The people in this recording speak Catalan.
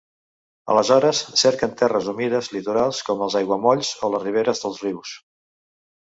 Aleshores, cerquen terres humides litorals, com els aiguamolls o les riberes dels rius.